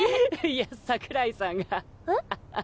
いや櫻井さんが。え？